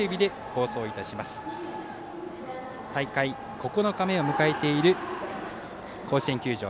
大会９日目を迎えている甲子園球場。